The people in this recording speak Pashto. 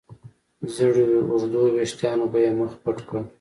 زېړو اوږدو وېښتانو به يې مخ پټ کړ.